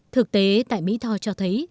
thực tế tại mỹ tho cho thấy